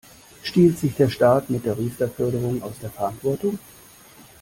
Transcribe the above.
Stiehlt sich der Staat mit der Riester-Förderung aus der Verantwortung?